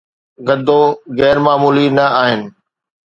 گدو غير معمولي نه آهن